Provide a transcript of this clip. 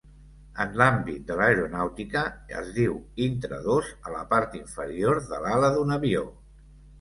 En l'àmbit de l'aeronàutica, es diu intradós a la part inferior de l'ala d'un avió.